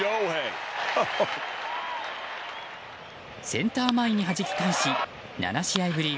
センター前にはじき返し７試合ぶり